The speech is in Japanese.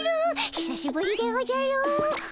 ひさしぶりでおじゃる！